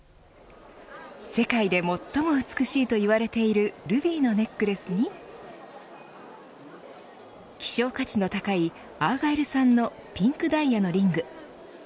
世界で最も美しいといわれているルビーのネックレスに希少価値の高いアーガイル産のピンクダイヤのリング。